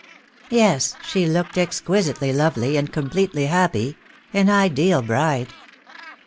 "Yes, she looked exquisitely lovely, and completely happy — an ideal bride."